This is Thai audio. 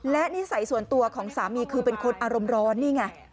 และนิสัยส่วนตัวของสามีคือเป็นคนอารมณ์ร้อนนี่ไง